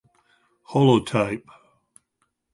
Holotype.